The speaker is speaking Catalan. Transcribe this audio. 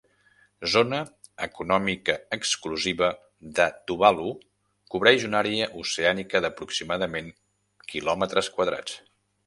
Zona Econòmica Exclusiva de Tuvalu cobreix una àrea oceànica d'aproximadament quilòmetres quadrats.